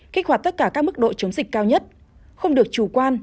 kích hoạt tất cả các mức độ chống dịch cao nhất không được chủ quan